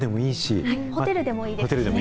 ホテルでもいいですね。